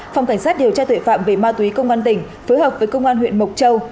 phòng cảnh sát điều tra tội phạm về ma túy công an tỉnh phối hợp với công an huyện mộc châu